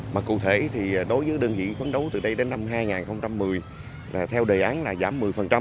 mà cụ thể thì đối với đơn vị phấn đấu từ đây đến năm hai nghìn một mươi theo đề án là giảm một mươi